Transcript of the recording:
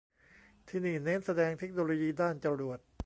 ที่นี่เน้นแสดงเทคโนโลยีด้านจรวด